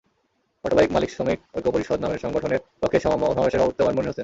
Autobike মালিক-শ্রমিক ঐক্য পরিষদ নামের সংগঠনের পক্ষে সমাবেশে সভাপতিত্ব করেন মনির হোসেন।